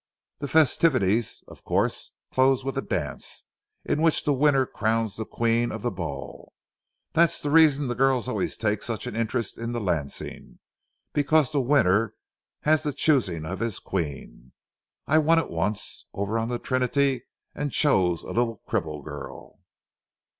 The festivities, of course, close with a dance, in which the winner crowns the Queen of the ball. That's the reason the girls always take such an interest in the lancing, because the winner has the choosing of his Queen. I won it once, over on the Trinity, and chose a little cripple girl.